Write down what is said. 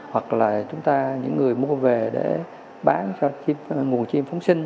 hoặc là chúng ta những người mua về để bán cho nguồn chim phóng sinh